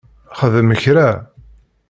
Xdem kra!